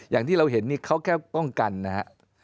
อย่างที่เราเห็นนี่เขาแค่ป้องกันนะครับ